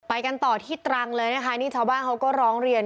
กันต่อที่ตรังเลยนะคะนี่ชาวบ้านเขาก็ร้องเรียน